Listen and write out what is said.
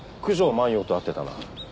万葉と会ってたな。